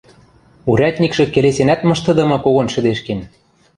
Урядникшӹ келесенӓт мыштыдымы когон шӹдешкен.